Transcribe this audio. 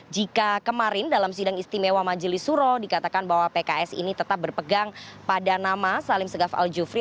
jika kemarin dalam sidang istimewa majelis suro dikatakan bahwa pks ini tetap berpegang pada nama salim segaf al jufri